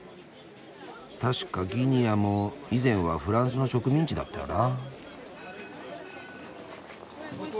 確かギニアも以前はフランスの植民地だったよな。